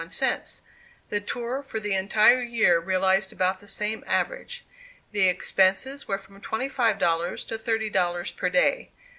The tour for the entire year realized about the same average. The expenses were from twenty five dollars to thirty dollars per day.